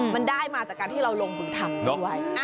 มันได้มาจากการที่เราลงทุนทำด้วย